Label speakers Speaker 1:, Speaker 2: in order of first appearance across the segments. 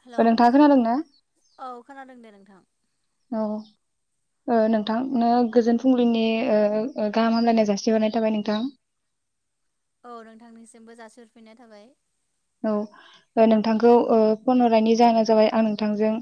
Speaker 1: Hello
Speaker 2: नोंथाङा खोनादोंना
Speaker 1: औ खोनादों दे नों थां
Speaker 2: औ औ नोंथांनो गोजोन फुंबिलिनि ओ ओ ओ गाहाम हामलायनाय जासिहरनाय थाबाय नोंथां।
Speaker 1: औ नोंथांनिसिमबो जासिहफिननाय थाबाय।
Speaker 2: औ ओ नोंथांखौ ओ फन हरनायनि जाहोना जाबाय आं नोंथांजों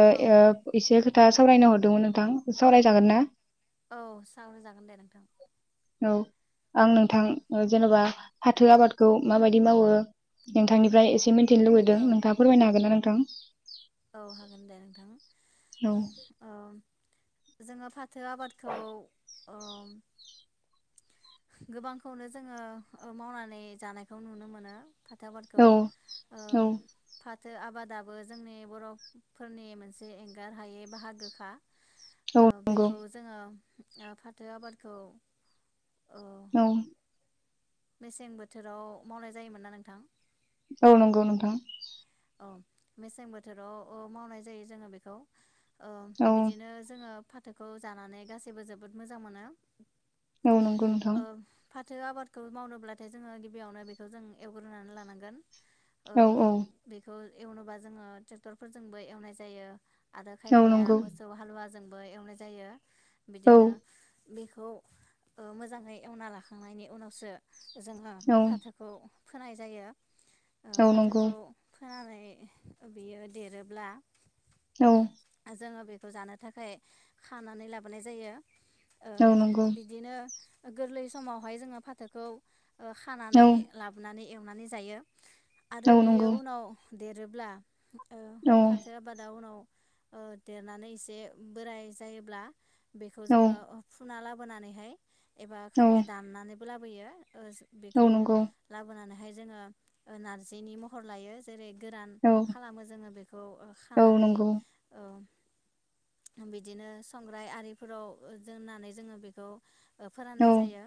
Speaker 2: ओ
Speaker 1: औ
Speaker 2: यो इसे खो था सावरायनो हरदोंमोन नोंथां सावरायजागोन ना?
Speaker 1: औ सावरायजागोन दे नोंथां।
Speaker 2: औ आं नोंथां जेन'बा फाथो आबादखौ माबायदि मावो? नोंथांनिफ्राय एसे मोनथिनो लुगैदों
Speaker 1: औ
Speaker 2: नोंथाङा फोरमायनो हागोन ना नों थां
Speaker 1: औ हागोन दे नोंथां
Speaker 2: औ
Speaker 1: ओम जोङो फा थो आबादखौ ओम गोबांखौनो जोङो मावनानै जानायखौ नुनो मोनो फाथो आबादखौ
Speaker 2: औ
Speaker 1: ओ
Speaker 2: औ
Speaker 1: फा आबादाबो जोंनि बर'फोरनि मोनसे एंगार हायै बाहागोखा ओ
Speaker 2: नंगौ
Speaker 1: बेखौ जोङो ओ फाथो आबादखौ
Speaker 2: औ
Speaker 1: मेसें बोथोराव मावनाय जायोमोन ना नोंथां
Speaker 2: औ नंगौ नोंथां
Speaker 1: औ मेसें बोथोराव मावनाय जायो जोङो बेखौ ओ
Speaker 2: औ
Speaker 1: बिदिनो जोङो फाथोखौ जानानै गासैबो जोबोद मोजां मोनो
Speaker 2: औ नंगौ नोंथां
Speaker 1: ओ फाथो आबादखौ मावनोब्लाथाय जोङो गिबियावनो बेखौ जों एवग्रोनानै लानांगोन
Speaker 2: औ औ
Speaker 1: ओ एवनोबा जोङो ट्रेक्टरफोरजोंबो एवनाय जायो आरो
Speaker 2: औ
Speaker 1: खायफाया
Speaker 2: नंगौ
Speaker 1: मोसौ हालुवाजों जोंबो एवनाय जायो
Speaker 2: औ
Speaker 1: बिदिनो बेखौ मोजाङै एवना लाखांनायनि उनावसो जोङो
Speaker 2: औ
Speaker 1: फाथोखौ फोनाय जायो ओ
Speaker 2: औ नंगौ
Speaker 1: फाथोखौ फोनानै बियो देरोब्ला
Speaker 2: औ
Speaker 1: जोङो बेख जानो थाखाय खानानै लाबोनाय जायो ओ
Speaker 2: औ नंगौ
Speaker 1: बिदिनो गोरलै समावहाय जोङो फाथोखौ
Speaker 2: औ
Speaker 1: खानानै लाबोनानै एवनानै जायो आरो
Speaker 2: औ
Speaker 1: बेयो
Speaker 2: नंगौ
Speaker 1: देरोब्ला ओ
Speaker 2: औ
Speaker 1: फाथो आबादा उनाव ओ देरनानै एसे बोराय जायोब्ला बेखौ
Speaker 2: औ
Speaker 1: जोङो फुना ला बोनानैहाय एबा
Speaker 2: औ
Speaker 1: खायफाया दाननानै लाबोयो ओ
Speaker 2: औ
Speaker 1: बेखौ
Speaker 2: नंगौ
Speaker 1: लाबोनानै हाय जोङो नारजिनि महर लायो जेरै गोरान
Speaker 2: औ
Speaker 1: खालामो जोङो बेखौ
Speaker 2: औ
Speaker 1: खानानै
Speaker 2: नंगौ
Speaker 1: ओ बिदिनो संग्राइ आरिफोराव दोननानै जोङो बेखौ
Speaker 2: औ
Speaker 1: फोराननाय जायो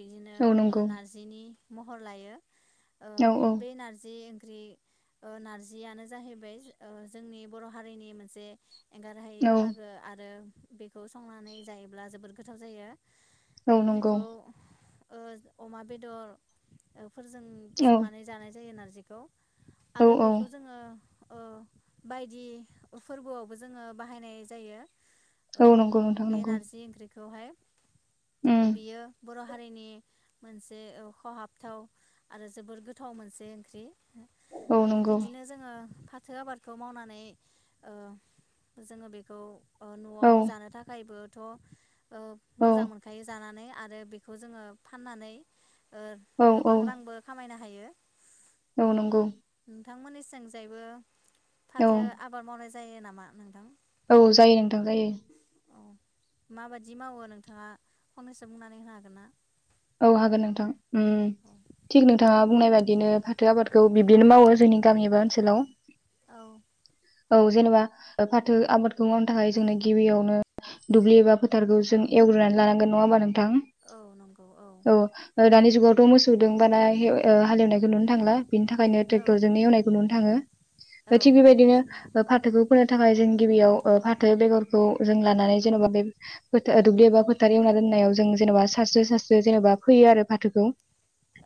Speaker 1: बिदिनो
Speaker 2: औ
Speaker 1: ओ
Speaker 2: नंगौ
Speaker 1: नारजिनि महर लायो
Speaker 2: औ
Speaker 1: ओ बे नारजि ओं ख्रि ओ नारजियानो जाहैबाय ओ जोंनि बर' हारिनि मोनसे एंगारहायै
Speaker 2: औ
Speaker 1: बाहागो आरो बेखौ संनानै जायोब्ला जोबोद गोथाव जायो
Speaker 2: औ
Speaker 1: ओ
Speaker 2: नंगौ
Speaker 1: बेखौ ओ अमा बेदर फोरजों
Speaker 2: औ
Speaker 1: फसंनानै जानाय जायो नार जिखौ
Speaker 2: औ
Speaker 1: आरो बेखौ जोङो ओ बायदि फोरबोआवबो जोङो बाहायनाय जायो
Speaker 2: औ नंगौ नोंथां नंगौ
Speaker 1: खौहाय
Speaker 2: उम
Speaker 1: बियो बर' हारिनि मोनसे खहाबथाव आरो जोबोर गोथाव मोनसे ओंख्रि
Speaker 2: औ
Speaker 1: ओ
Speaker 2: नंगौ
Speaker 1: बिदिनो जोङो फाथो आबादखौ मावनानै ओ जोङो बेखौ ओ
Speaker 2: औ
Speaker 1: न'आव जानो थाखायबो थ' ओ
Speaker 2: औ
Speaker 1: मोजां मोनखायो जानानै आरो बेखौ जोङो फाननानै ओ
Speaker 2: औ
Speaker 1: गोबां रांबो खामायनो हायो। हायो
Speaker 2: औ नंगौ
Speaker 1: नोंथांमोननिसिं जायबो
Speaker 2: औ
Speaker 1: फाथो आबाद मावनाय जा जायो नामा नोंथां?
Speaker 2: औ जायो नोंथां जायो।
Speaker 1: औ माबादि मावो नोंथाङा फंनैसो बुंनानै होनो हागोन ना?
Speaker 2: औ हागोन नोंथां। ओम
Speaker 1: औ
Speaker 2: थिग नोंथाङा बुंनाय बादिनो फाथो आबादखौ बिब्दिनो मावो जोंनि गामि एबा ओनसोलाव।
Speaker 1: औ
Speaker 2: औ जेनेबा फाथो आबादखौ मावनो थाखाय जोंनो गिबियावनो दुब्लि एबा
Speaker 1: औ
Speaker 2: फोथारखौ जों एवग्रोनानै लानांगोन। नङा ओमबा नोंथां?
Speaker 1: औ नंगौ औ
Speaker 2: औ दानि जुगावथ' मोसौदों बाना [unintelligible] हालेवनायखौ नुनो थांला बिनि थाखायनो
Speaker 1: औ
Speaker 2: ट्रेक्टरजोंनो एवनायखौ नुनो थाङो थिग
Speaker 1: औ
Speaker 2: बेबायदिनो
Speaker 1: ट्रेक्टरजों
Speaker 2: ओ फाथोखौ फोनो थाखाय जों गिबियाव ओ फाथो बेगरखौ जों लानानै जेनेबा बे [unintelligible] दुबलि ऐसा फोथार एवना दोननायाव जों जेनेबा सासस्रि स जेनेबा फैयो आरो फाथोखौ।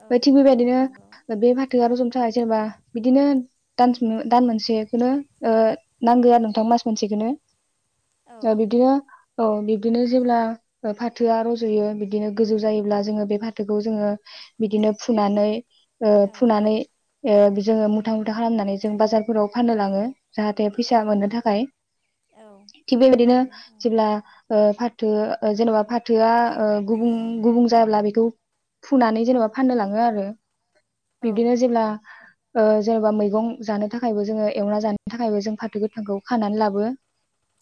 Speaker 1: औ
Speaker 2: बे थिग
Speaker 1: औ
Speaker 2: बेबायदिनो
Speaker 1: नंगौ
Speaker 2: बे फाथोआ जन थाखाय जेनेबा बिदिनो [unintelligible] दान मोनसेखौनो ओ नांगौ आरो नोंथां मास मोनसेखौनो
Speaker 1: औ
Speaker 2: [unintelligible] बिदनो औ बिब्दिनो जेब्ला फाथोआ रज'यो बिदिनो गोजौ जायोब्ला जोङो बे फाथोखौ जोङो बिदिनो फुनानै ओ
Speaker 1: औ
Speaker 2: फुनानै ओ जोङो मुथा मुथा खालामनानै जों बाजार फोराव फाननो लाङो जाहाथे
Speaker 1: औ
Speaker 2: फैसा मोननो थाखाय
Speaker 1: औ
Speaker 2: थिग
Speaker 1: रां
Speaker 2: बेबायदिनो
Speaker 1: खामायनो औ
Speaker 2: जेब्ला ओ थो ओ जेनेबा फाथोआ ओ गुबुं गुबुं जाब्ला बेखौ फुनानै जेनेबा फाननो लाङो आरो।
Speaker 1: औ
Speaker 2: बिदिनो जिल्ला औ जेनेबा मैगं जानो थाखायबो जोङो एवना जानो थाखायबो जों फाथो गोथांखौ खानानै लाबो।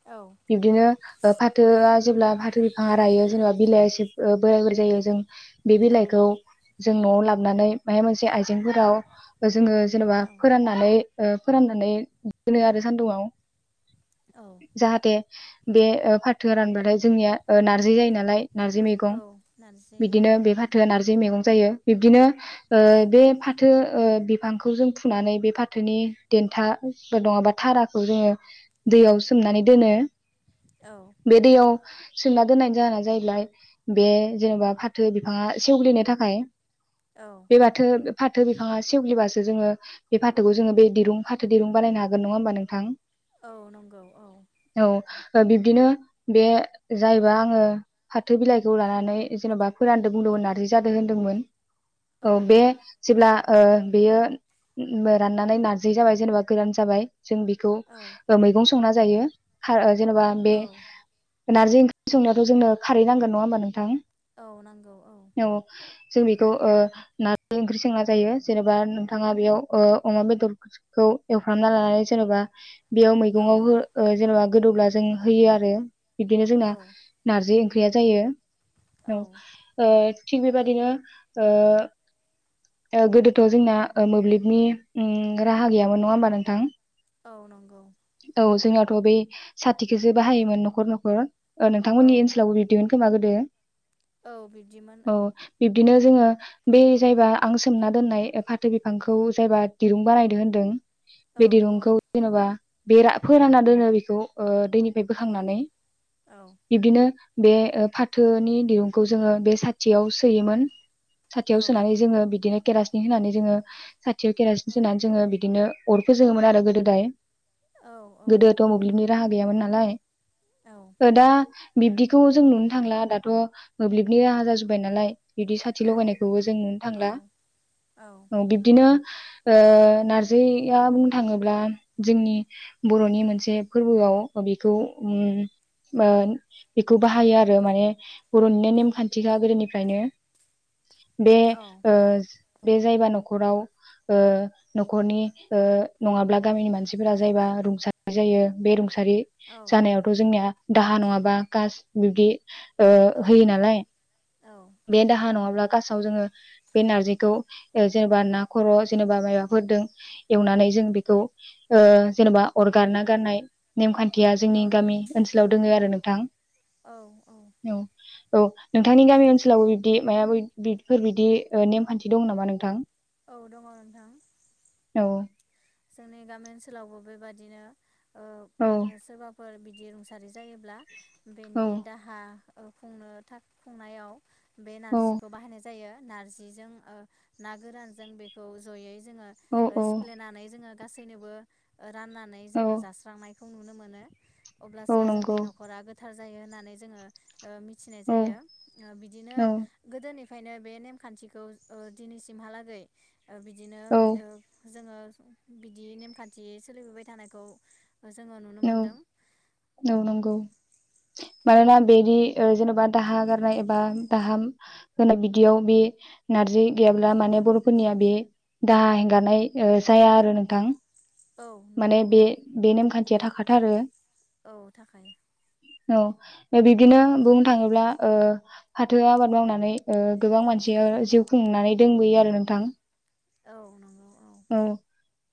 Speaker 1: औ
Speaker 2: बिब्दिनो ओ फाथोआ जेब्ला फाथो बिफाङा रायो जेनेबा [unintelligible] [unintelligible] जों बे
Speaker 1: औ
Speaker 2: बिलाइखौ जों न'आव लाबनानै माबा मोनसे आइजेंफोराव जोङो जेनेबा
Speaker 1: औ
Speaker 2: फोराननानै ओ फोराननानै दोनो आरो सानदुङाव
Speaker 1: औ
Speaker 2: जाहाथे बे फाथोआ रानबाथाय जोंनिया ओ नारजै जायो नालाय नारजै मैगं।
Speaker 1: औ नारजि
Speaker 2: बिदिनो
Speaker 1: औ
Speaker 2: बे फाथोआ नार जै मैगं जायो बिब्दिनो ओ
Speaker 1: औ
Speaker 2: बे फाथो ओ बे बिफांखौ जों फुनानै बे फाथोनि देन्थाफोर नङाबा थाराखौ जोङो
Speaker 1: औ
Speaker 2: दैयाव सोमनानै दोनो
Speaker 1: औ
Speaker 2: बे दैयाव सोंमा दोननायनि जाहोना जाहैब्लाय बे जेनेबा फाथो बिफाङा सेवग्लिनो थाखाय
Speaker 1: औ
Speaker 2: बे बाथो फाथो बिफाङा सेवगिलिबासो जोङो बे फाथोखौ जोङो बे दिरुं फाथो दिरुं बानायनो हागोन नङा होमबा नोंथां।
Speaker 1: औ नंगौ औ
Speaker 2: औ बिब्दिनो बे जायबा आङो फाथो बिलाइ खौ लानानै जेन'बा फोरानदों बुंदों होननानै जादों होनदोंमोन। औ बे जेब्ला ओ बेयो राननानै नारजि जाबाय जेनेबा गोरान जाबाय जों बेखौ
Speaker 1: औ
Speaker 2: मैगं संना जायो खार ओ जेनबा बे
Speaker 1: औ
Speaker 2: नारजि ओंख्रि संनायाथ जोंनो खारै नांगोन नङा होमबा नों नोंथां
Speaker 1: औ नांगौ
Speaker 2: औ जों बेखौ औ
Speaker 1: खारदै
Speaker 2: नारजि ओंख्रि जेंना जायो जेनेबा नोंथाङा बेयाव ओ अमा बेदरखौ एवफ्रामना लानानै जेनबा बेयाव
Speaker 1: औ
Speaker 2: मैगङाव हो जेनबा गोदौब्ला जों होयो आरो। बिबदिनो जोंना
Speaker 1: औ
Speaker 2: नारजि ओं ख्रिया जायो। औ ओ थिग बेबादिनो ओ गोदोथ जोंना ओ मोब्लिबनि उम राहा गैयामोन नङा होमबा नोंथां?
Speaker 1: औ नंगौ
Speaker 2: थ' बे साथिखौसो बाहायोमोन न'खर न'खर। ओ
Speaker 1: औ
Speaker 2: नोंथांनि ओनसोलावबो बिबदिमोन खोमा गोदो। [inaudible]
Speaker 1: औ बिब्दिमोन औ।
Speaker 2: जोङो बे जायबा आं सोमना दोननाय फाथो बिफांखौ जायबा दिरुं बानायदों होनदों बे
Speaker 1: औ
Speaker 2: दिरुंखौ जेनबा बेरा फोराना दोनो बेखौ ओ दैनिफाय
Speaker 1: औ
Speaker 2: बोखांनानै बिब्दिनो बे ओ फा थोनि दिरुंखौ जोङो बे साथियाव सोयोमोन। साथियाव
Speaker 1: औ औ
Speaker 2: सोनानै जोङो बिदिनो केरासिन होनानै जोङो साथियाव केरासिन
Speaker 1: औ
Speaker 2: सोनानै जोङो बिदिनो अर फोजोङोमोन आरो गोदो दाय
Speaker 1: औ
Speaker 2: गोदोथ मोब्लिबनि राहा गैयामोन नालाय
Speaker 1: औ
Speaker 2: ओ दा बिब्दिखौ जों नुनो थांला दाथ मोब्लिबनि राहा जाजोबाय नालाय। बिदि साथि
Speaker 1: औ
Speaker 2: लगायनायखौबो जों नुनो
Speaker 1: औ
Speaker 2: थांला औ बिब्दिनो ओ नारजिया बुंनो थाङोब्ला जोंनि बर'नि मोनसे फोरबोआव बेखौ उम ओ बेखौ बाहायो आरो माने बर'निनो नेमखान्थिखा गोदोनिफ्रायनो बे
Speaker 1: औ
Speaker 2: ओ बे जायबा न'खराव ओ न'खरनि ओ नङाब्ला गामिनि मानसिफोरा जायबा रुंसारि जायो बे रूं सारि
Speaker 1: औ
Speaker 2: जानायावथ जोंनिया दाहा नङाबा कास बिब्दि ओ
Speaker 1: औ
Speaker 2: होयो नालाय बे दाहा नङाब्ला कासाव जोङो बे नारजिखौ ओ जेनेबा ना खर' जेनेबा मायबाफोरदों एवनानै जों बेखौ ओ जेनेबा अरगारना गारनाय नेमखान थिया जोंनि गामि ओनसोलाव दोङो आरो नों थां
Speaker 1: औ औ
Speaker 2: औ औ नोंथांनि गामि ओनसोलाव बिब्दि मायाबो बिफोरबादि ओ नेमखान्थि दं नामा नोंथां?
Speaker 1: औ दङ नोंथां।
Speaker 2: औ
Speaker 1: जोंनि गामि ओनसोलावबो बेबायदिनो ओ
Speaker 2: औ
Speaker 1: नो सोरबाफोर बि दि रुंसारि जायोब्ला
Speaker 2: औ
Speaker 1: बेनि दाहा ओ खुंनो थाख खुंनायाव बे
Speaker 2: औ
Speaker 1: नारजिखौ बाहायनाय जायो नारजिजों ओ ना गोरानजों बेखौ जयै जोङो
Speaker 2: औ
Speaker 1: ओ
Speaker 2: औ
Speaker 1: सिफ्लेनानै जोङो गासैनोबो राननानै
Speaker 2: औ
Speaker 1: जोङो जास्रांनाय खौ नुनो मोनो अब्लासो
Speaker 2: औ
Speaker 1: जोंनि
Speaker 2: नंगौ
Speaker 1: नख'रा गो गोथार जायो होननानै जोङो ओ मिथिनाय
Speaker 2: औ
Speaker 1: जायो ओ बिदिनो
Speaker 2: औ
Speaker 1: गोदोनि बेखायनो बे नेमखान्थिखौ ओ दिनैसिमहालागै ओ बिदिनो
Speaker 2: औ
Speaker 1: ओ जोङो बिदि नेमखान्थि सोलिबोबाय थानायखौ जोङो नुनो
Speaker 2: औ
Speaker 1: मोनदों औ औ
Speaker 2: मानोना बेनि ओ जेन'बा दाहा गारनाय एबा दाहा होनाय बिदियाव बे नारजि गैयाब्ला माने बर'फोरनिया बे दाहा हेंगारनाय ओ जाया आरो नोंथां
Speaker 1: औ
Speaker 2: माने
Speaker 1: नंगौ औ
Speaker 2: बे बे नेमखान्थि थिया थाखाथारो
Speaker 1: औ थाखायो औ
Speaker 2: बिदिनो बुंनो थाङोब्ला ओ फाथो आबाद मावनानै ओ गोबां मानसिया जिउ खुंनानै दोंबोयो आरो नोंथां
Speaker 1: औ नंगौ औ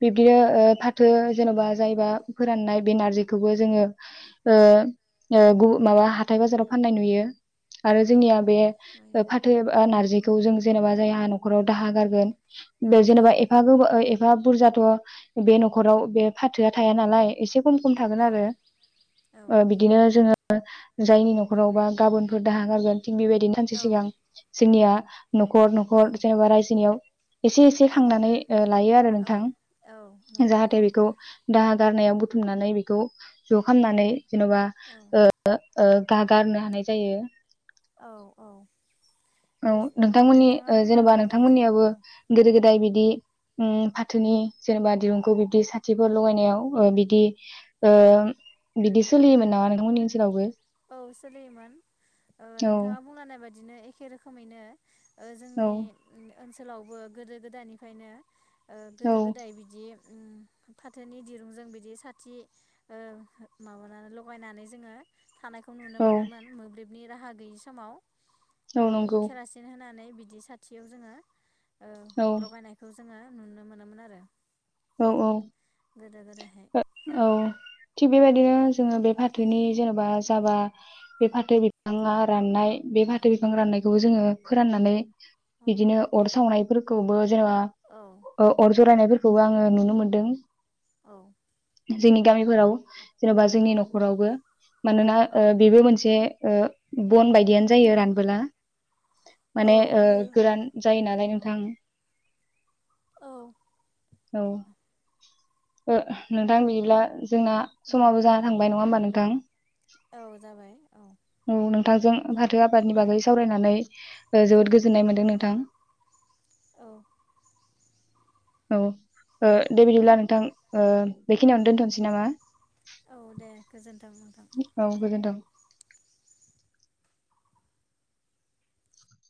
Speaker 2: बिब्दिनो ओ फाथो जेन'बा जायबा फोराननाय बे नारजिखौबो जोङो ओ ओ गुबु माबा हाथाय बाजाराव फाननाय नुयो आरो
Speaker 1: औ
Speaker 2: जोंनिया बे फाथो नारजि बे जों जेनेबा जायहा न'खराव दाहा गारगोन
Speaker 1: औ
Speaker 2: जेनेबा एफा गो एफ एफा बुरजाथ' बे न'खराव बे फाथोआ थाया नालाय एसे खम खम थागोन आरो ओ बिदिनो जोङो जायनि न'खरावबा गाबोनफोर दाहा गारगोन थिं बेबायदिनो सानसे सिगां जोंनिया न'खर न'खर
Speaker 1: औ
Speaker 2: जेनेबा रायजोनियाव एसे एसे
Speaker 1: औ
Speaker 2: खांनानै ओ लायो आरो
Speaker 1: औ
Speaker 2: नोंथां
Speaker 1: औ नंगौ औ
Speaker 2: जाहाथे बेखौ दाहा गारनायाव बुथुमनानै बेखौ ज' खालामनानै जेन'बा
Speaker 1: औ
Speaker 2: ओ ओ गा गारनो हानाय जायो।
Speaker 1: औ औ
Speaker 2: औ नोंथांमोननि
Speaker 1: नोंथाङा
Speaker 2: ओ जेनेबा
Speaker 1: बुंलांनाय बायदि
Speaker 2: नोंथांमोननियाबो
Speaker 1: औ
Speaker 2: गोदो गोदाय बि दि ओम फाथोनि जेनेबा दिरुंखौ बिबदि साथिफोर लगायनायाव ओ बिदि ओ बिदि सोलियोमोन नामा नोंथांमोननि ओनसोलावबो?
Speaker 1: औ सोलियोमोन ओ
Speaker 2: औ
Speaker 1: नोंथाङा बुंलांनाय बा दिनो एखे रोखोमैनो ओ
Speaker 2: औ
Speaker 1: जोंनि ओनसोलावबो गोदो गोदायनिफ्रायनो ओ
Speaker 2: औ
Speaker 1: गोदो गोदाय बिदि उम फाथोनि दिरुंजों बिदि साथि ओ माबानानै लगायनानै जोङो थानायखौ नुनो
Speaker 2: औ
Speaker 1: मोनोमोन मोब्लिब नि राहा गैयि समाव। ओ
Speaker 2: औ नंगौ
Speaker 1: खेरासिन होना नै बिदि साथियाव जोङो औ लगायनायखौ जोङो नुनो मोनामोन आरो।
Speaker 2: औ औ
Speaker 1: गोदो गोदायहाय
Speaker 2: औ थिग बेबायदिनो जोङो बे फा थोनि जेनेबा जाबा बे फाथो बिफाङा राननाय बे फाथो बिफां राननायखौबो जोङो फोराननानै
Speaker 1: औ
Speaker 2: बिदिनो अर सावनाय फोरखौबो जेनेबा
Speaker 1: औ
Speaker 2: ओ अर जरायनायफोरखौबो आङो नुनो मोनदों।
Speaker 1: औ
Speaker 2: जोंनि गामिफोराव जेनबा
Speaker 1: औ
Speaker 2: जोंनि नखरावबो मानोना
Speaker 1: औ
Speaker 2: ओ बेबो मोनसे ओ बन बायदियानो जायो रानबोला
Speaker 1: औ
Speaker 2: माने ओ
Speaker 1: होयो
Speaker 2: गोरान जायो नालाय थां
Speaker 1: औ
Speaker 2: औ ओ नोंथां बिदिब्ला जोंना
Speaker 1: उम
Speaker 2: समाबो जना थांबाय नङा होमबा नों थां
Speaker 1: औ जाबाय औ।
Speaker 2: नोंथांजों फाथो आबादनि बागै सावरायनानै ओ जोबोद गोजोननाय मोनदों नोंथां
Speaker 1: औ
Speaker 2: औ ओ दे बिदिब्ला नोंथां ओ बेखिनियावनो दोनथ'नोसै नामा
Speaker 1: औ दे गोजोनथों नोंथां
Speaker 2: औ गोजोन्थों।